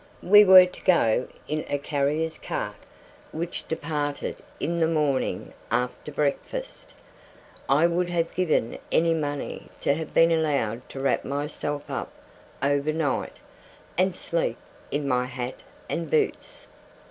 We were to go in a carrier's cart, which departed in the morning after breakfast. I would have given any money to have been allowed to wrap myself up over night, and sleep in my hat and boots.